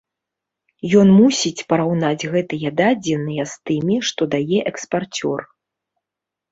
Ён мусіць параўнаць гэтыя дадзеныя з тымі, што дае экспарцёр.